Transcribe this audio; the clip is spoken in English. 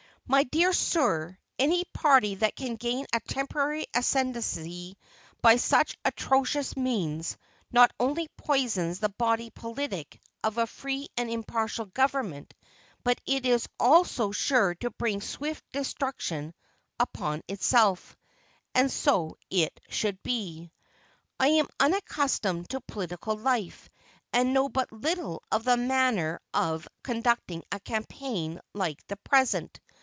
My dear sir, any party that can gain a temporary ascendancy by such atrocious means, not only poisons the body politic of a free and impartial government, but is also sure to bring swift destruction upon itself. And so it should be. I am unaccustomed to political life, and know but little of the manner of conducting a campaign like the present.